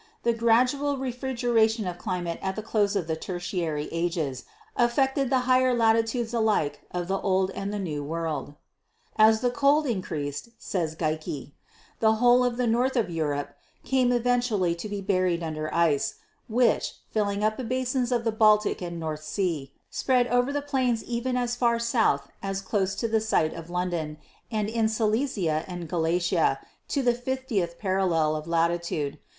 The gradual refrigeration of climate at the close of the Tertiary ages affected the higher latitudes alike of the Old and the New World. "As the cold increased," says Geikie, "the whole of the north of Europe came eventually to be buried under ice, which, filling up the basins of the Baltic and North Sea, spread over the plains even as far south as close to the site of London and in Silesia and Gallicia to the 50th parallel of latitude.